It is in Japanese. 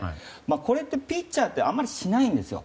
これって、ピッチャーってあんまりしないんですよ。